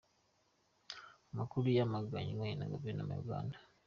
Amakuru yamagaywe na guverinoma ya Uganda.